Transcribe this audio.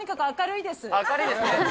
明るいですね。